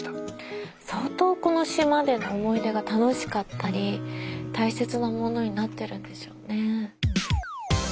相当この島での思い出が楽しかったり大切なものになってるんでしょうね。